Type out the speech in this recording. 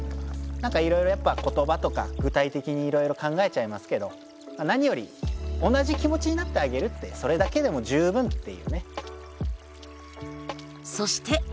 なんかいろいろやっぱ言葉とか具体的にいろいろ考えちゃいますけどなにより同じ気持ちになってあげるってそれだけでも十分っていうね。そして！